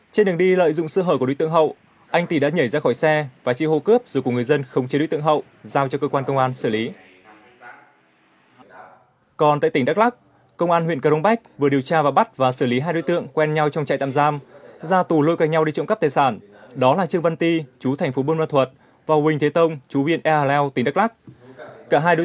trên đường đi lợi dụng sư hở của đối tượng hậu anh tỷ đã nhảy ra khỏi xe và chi hô cướp dù của người dân không chia đối tượng hậu giao cho cơ quan công an xử lý